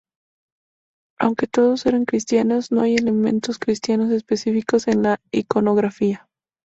Aunque todos eran cristianos, no hay elementos cristianos específicos en la iconografía.